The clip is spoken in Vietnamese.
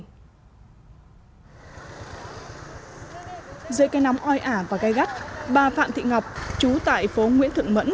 giữa cây nắm oi ả và gai gắt bà phạm thị ngọc chú tại phố nguyễn thượng mẫn